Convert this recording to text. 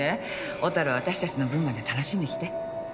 小樽を私たちの分まで楽しんできて。